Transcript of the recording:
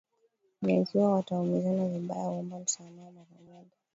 na ikiwa wataumizana vibaya huomba msamaha mara moja